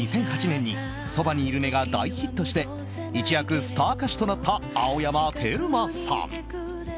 ２００８年に「そばにいるね」が大ヒットして一躍スター歌手となった青山テルマさん。